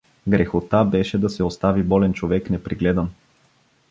Грехота беше да се остави болен човек непригледан.